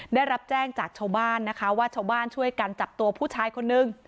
ได้รับแจ้งจากชาวบ้านนะคะว่าชาวบ้านช่วยกันจับตัวผู้ชายคนนึง